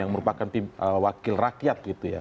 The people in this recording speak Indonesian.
yang merupakan wakil rakyat